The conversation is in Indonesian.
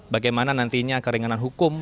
bagaimana nantinya keringanan hukum